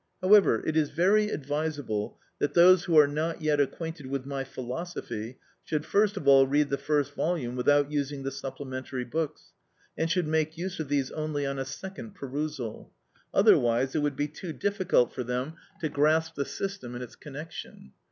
However, it is very advisable that those who are not yet acquainted with my philosophy should first of all read the first volume without using the supplementary books, and should make use of these only on a second perusal; otherwise it would be too difficult for them to grasp the system in its connection.